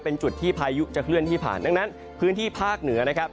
เป็นจุดที่พายุจะเคลื่อนที่ผ่านดังนั้นพื้นที่ภาคเหนือนะครับ